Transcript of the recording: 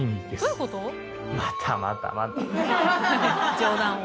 「冗談を」